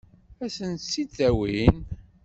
Ad sent-tt-id-awin?